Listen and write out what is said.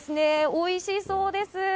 おいしそうです！